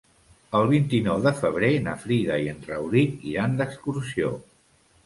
El vint-i-nou de febrer na Frida i en Rauric iran d'excursió.